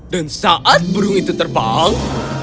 dan saat burung itu terbang